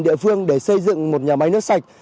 địa phương để xây dựng một nhà máy nước sạch